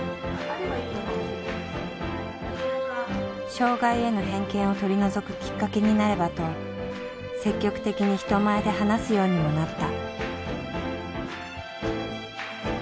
障害への偏見を取り除くきっかけになればと積極的に人前で話すようにもなった。